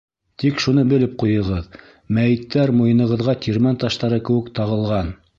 Тик шуны белеп ҡуйығыҙ: мәйеттәр муйынығыҙға тирмән таштары кеүек тағылған.